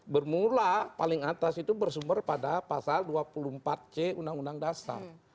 bermula paling atas itu bersumber pada pasal dua puluh empat c undang undang dasar